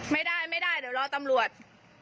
ไม่ได้ไม่ได้เดี๋ยวรอตำรวจ